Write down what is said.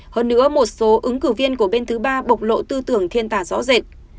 hơn nữa một số ứng cử viên của bên thứ ba bộc lộ tư tưởng thiên tả rõ rệt